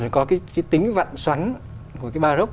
thì có cái tính vạn xoắn của cái baroque